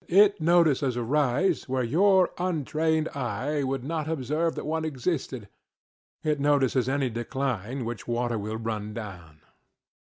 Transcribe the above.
It notices a rise where your untrained eye would not observe that one existed; it notices any decline which water will run down.